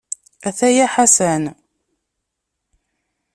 Ataya Ḥasan.